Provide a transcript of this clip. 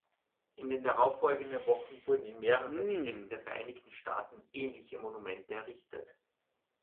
In den darauffolgenden Wochen wurden in mehreren Städten der Vereinigten Staaten ähnliche Monumente errichtet.